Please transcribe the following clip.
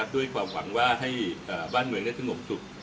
ด้วยความหวังว่าให้บ้านเมืองแน่นทุ่มสุข